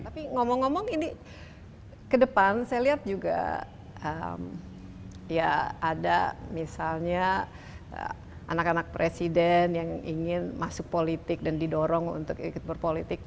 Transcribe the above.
tapi ngomong ngomong ini ke depan saya lihat juga ya ada misalnya anak anak presiden yang ingin masuk politik dan didorong untuk ikut berpolitik